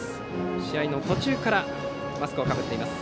試合の途中からマスクをかぶっています。